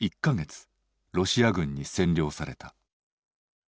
ロシア軍に占領された。